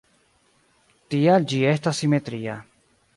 Tial ĝi estas simetria.